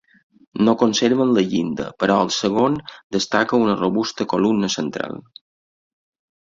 No conserven la llinda, però al segon destaca una robusta columna central.